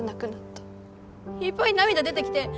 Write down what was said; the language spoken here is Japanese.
いっぱい涙出てきて。